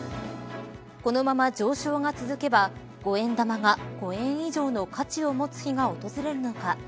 このまま上昇が続けば５円玉が５円以上の価値を持つ日が訪れるのか。